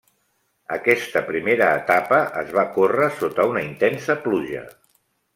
Aquesta primera etapa es va córrer sota una intensa pluja.